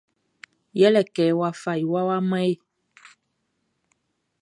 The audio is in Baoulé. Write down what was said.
Ye le kɛ wa fa iwa wa man yé.